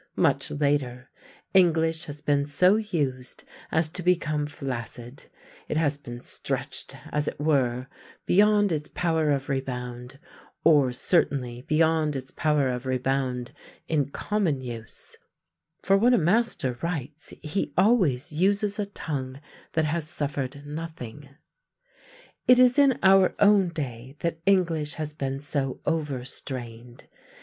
Much later, English has been so used as to become flaccid it has been stretched, as it were, beyond its power of rebound, or certainly beyond its power of rebound in common use (for when a master writes he always uses a tongue that has suffered nothing). It is in our own day that English has been so over strained.